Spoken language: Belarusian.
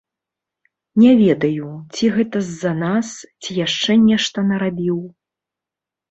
Не ведаю, ці гэта з-за нас, ці яшчэ нешта нарабіў.